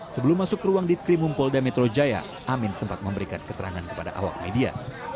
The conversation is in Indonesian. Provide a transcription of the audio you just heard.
sebelum masuk ke ruang ditkrimum polda metro jaya amin sempat memberikan keterangan kepada awak media